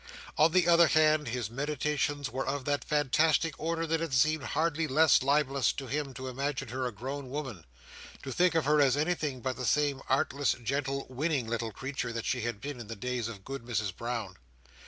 On the other hand, his meditations were of that fantastic order that it seemed hardly less libellous in him to imagine her grown a woman: to think of her as anything but the same artless, gentle, winning little creature, that she had been in the days of Good Mrs Brown.